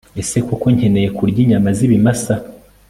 ese koko nkeneye kurya inyama z'ibimasa